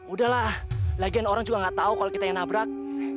udahlah lagian orang juga nggak tahu kalau kita yang nabrak